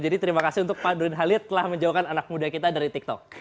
jadi terima kasih untuk pak nurdin halid telah menjauhkan anak muda kita dari tiktok